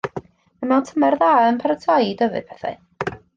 Mae mewn tymer dda yn paratoi i dyfu pethau.